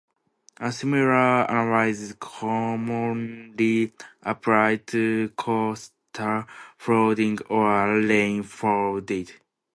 A similar analysis is commonly applied to coastal flooding or rainfall data.